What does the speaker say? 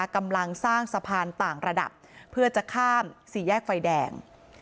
กำลังสร้างสะพานต่างระดับเพื่อจะข้ามสี่แยกไฟแดง